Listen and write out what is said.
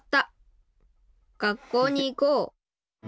学校に行こう」。